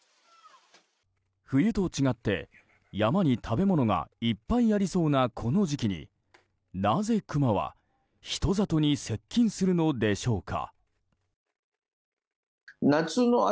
冬と違って、山に食べ物がいっぱいありそうなこの時期になぜクマは人里に接近するのでしょうか？